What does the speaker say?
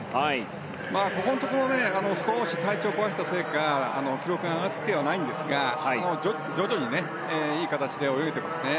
ここのところ少し体調を壊したせいか記録が上がってきてはいないんですが徐々にいい形で泳げていますね。